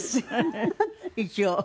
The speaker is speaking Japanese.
一応。